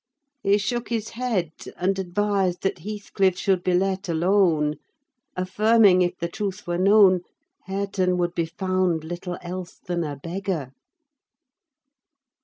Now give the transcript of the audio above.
He shook his head, and advised that Heathcliff should be let alone; affirming, if the truth were known, Hareton would be found little else than a beggar.